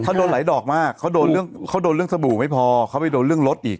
เขาโดนไหลดอกมากเขาโดนเรื่องสบู่ไม่พอเขาไปโดนเรื่องรถอีก